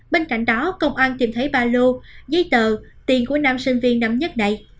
bên cạnh đó công an tìm thấy ba lô giấy tờ tiền của nam sinh viên nóng nhất này